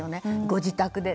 ご自宅で。